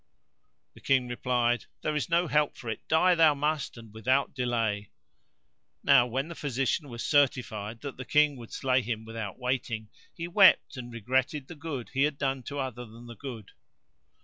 The King replied, "There is no help for it; die thou must and without delay." Now when the physician was certified that the King would slay him without waiting, he wept and regretted the good he had done to other than the good.